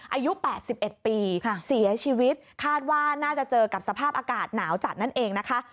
อายุ๘๑ปีเสียชีวิตคาดว่าน่าจะเจอกับสภาพอากาศหนาวจัดนั่นเองนะคะ